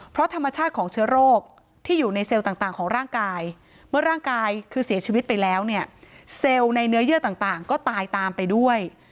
เพราะธรรมชาติของเชื้อโรคที่อยู่ในเซลล์ต่างของร่างกายเมื่อร่างกายคือเสียชีวิตไปแล้วเนี่ยเซลล์ในเนื้อเยื่อต่างก็ตายตามไปด้วย